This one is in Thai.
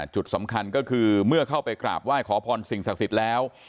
จุดสำคัญก็คือเมื่อเข้าไปกราบไหว้ขอพรสิ่งศักดิ์สิทธิ์แล้ว